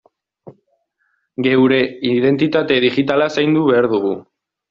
Geure identitate digitala zaindu behar dugu.